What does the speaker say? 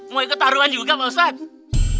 mau ikut taruhan juga mau ustadz